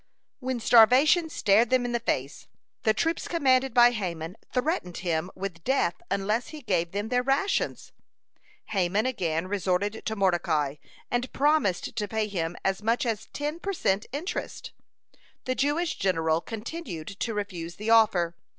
When starvation stared them in the face, the troops commanded by Haman threatened him with death unless he gave them their rations. Haman again resorted to Mordecai, and promised to pay him as much as ten per cent interest. The Jewish general continued to refuse the offer.